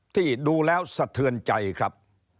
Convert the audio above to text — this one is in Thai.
ที่ดูแล้วสะเทือนใจครับ